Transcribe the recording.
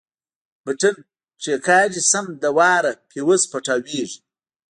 بټن کښېکاږي سم له وارې فيوز پټاو کېږي.